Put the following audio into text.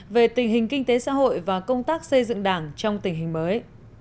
về tình hình kinh tế xã hội và công tác xây dựng đảng trong tình hình mới